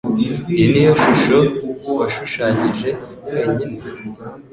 Iyi niyo shusho washushanyije wenyine?